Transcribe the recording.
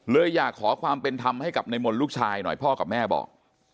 เลยอยากขอความเป็นธรรมให้กับในมนต์ลูกชายหน่อยพ่อกับแม่บอก